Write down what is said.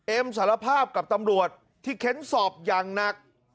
สารภาพกับตำรวจที่เค้นสอบอย่างหนัก